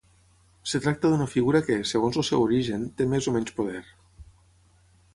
Es tracta d'una figura que, segons el seu origen, té més o menys poder.